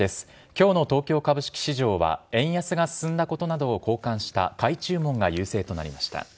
きょうの東京株式市場は円安が進んだことなどを好感した買い注文が優勢となりました。